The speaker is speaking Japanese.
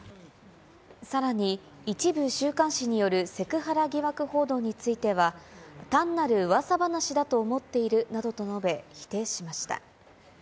さらに、一部週刊誌によるセクハラ疑惑報道については、単なるうわさ話だと思っているなどと述べ、否定しました。